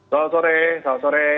selamat sore selamat sore